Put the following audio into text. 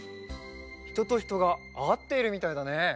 ひととひとがあっているみたいだね。